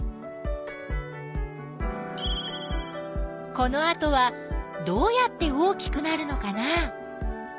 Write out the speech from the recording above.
このあとはどうやって大きくなるのかな？